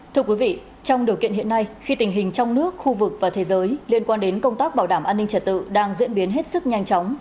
thưa quý vị trong điều kiện hiện nay khi tình hình trong nước khu vực và thế giới liên quan đến công tác bảo đảm an ninh trật tự đang diễn biến hết sức nhanh chóng